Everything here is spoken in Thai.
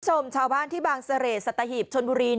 คุณผู้ชมชาวบ้านที่บางเสร็จสัตหีพชนบุรี